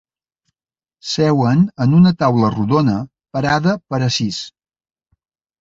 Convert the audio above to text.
Seuen en una taula rodona, parada per a sis.